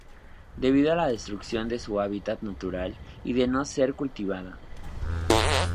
Debido a la destrucción de su hábitat natural y de no ser cultivada.